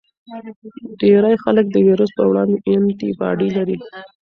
ډیری خلک د ویروس پر وړاندې انټي باډي لري.